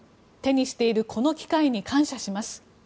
手にしているこの機会に感謝します。